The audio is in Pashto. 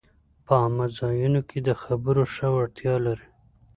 په عامه ځایونو کې د خبرو ښه وړتیا لري